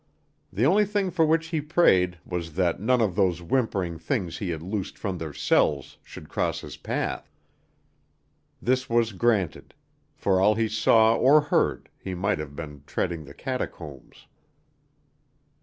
The only thing for which he prayed was that none of those whimpering things he had loosed from their cells should cross his path. This was granted; for all he saw or heard he might have been treading the catacombs.